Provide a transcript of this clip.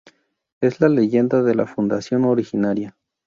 Esa es la leyenda de la fundación originaria.